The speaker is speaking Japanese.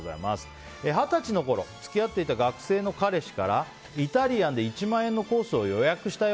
二十歳のころ、付き合っていた学生の彼氏からイタリアンで１万円のコースを予約したよ。